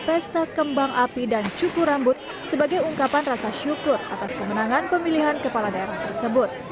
pesta kembang api dan cukur rambut sebagai ungkapan rasa syukur atas kemenangan pemilihan kepala daerah tersebut